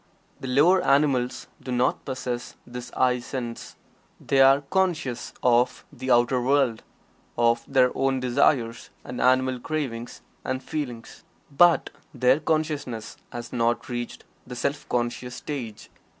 The lower animals do not possess this "I" sense. They are conscious of the outer world; of their own desires and animal cravings and feelings. But their consciousness has not reached the Self conscious stage.